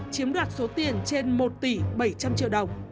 chiếm đoạt số tiền trên một tỷ bảy trăm linh triệu đồng